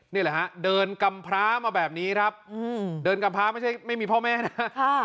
นี่แหละฮะเดินกำพร้ามาแบบนี้ครับเดินกำพร้าไม่ใช่ไม่มีพ่อแม่นะ